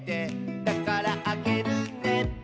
「だからあげるね」